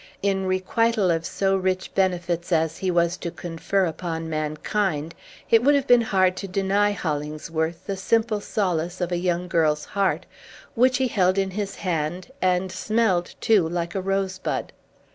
In requital of so rich benefits as he was to confer upon mankind, it would have been hard to deny Hollingsworth the simple solace of a young girl's heart, which he held in his hand, and smelled too, like a rosebud.